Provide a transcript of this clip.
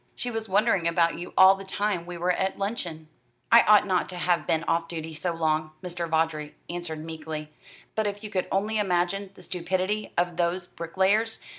She was wondering about you all the time we were at luncheon." "I ought not to have been off duty so long," Mr. Vawdrey answered meekly; "but if you could only imagine the stupidity of those bricklayers!